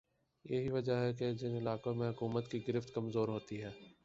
یہی وجہ ہے کہ جن علاقوں میں حکومت کی گرفت کمزور ہوتی ہے